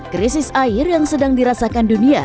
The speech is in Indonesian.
krisis air yang sedang dirasakan dunia